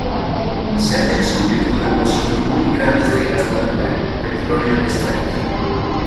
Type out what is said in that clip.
Se han descubierto depósitos muy grandes de gas natural y petróleo en esta región.